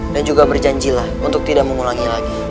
dan juga berjanjilah untuk tidak memulangi lagi